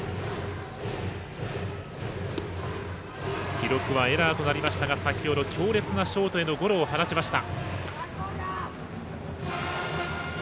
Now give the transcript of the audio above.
記録はエラーとなりましたが先ほど強烈なショートへのゴロを放ちました。